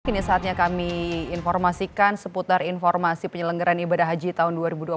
kini saatnya kami informasikan seputar informasi penyelenggaran ibadah haji tahun dua ribu dua puluh